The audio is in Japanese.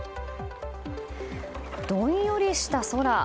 どんよりした空。